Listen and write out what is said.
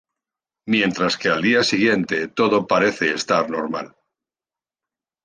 Mientras que al día siguiente todo parece estar normal.